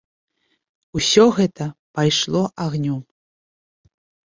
Усё гэта пайшло агнём.